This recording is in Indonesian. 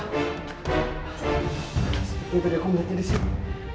seperti tadi aku melihatnya disini